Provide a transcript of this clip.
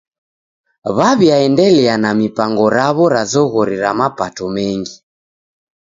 W'aw'iaendelia na mipango raw'o ra zoghori ra mapato mengi.